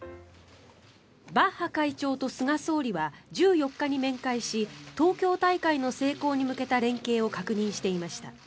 バッハ会長と菅総理は１４日に面会し東京大会の成功に向けた連携を確認していました。